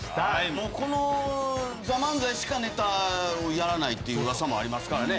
もうこの『ＴＨＥＭＡＮＺＡＩ』しかネタをやらないっていう噂もありますからね。